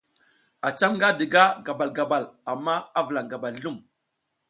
A cam nga diga gabal gabal amma a vulaƞ gabal zlum.